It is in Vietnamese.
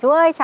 cháu ơi chú ạ